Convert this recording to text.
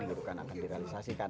bukan akan di realisasikan